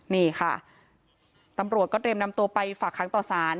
นี่ค่ะตำรวจก็เตรียมนำตัวไปฝากค้างต่อสาร